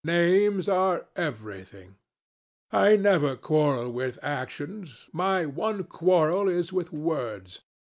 Names are everything. I never quarrel with actions. My one quarrel is with words.